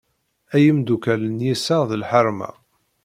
Ay imeddukal n yiseɣ d lḥerma.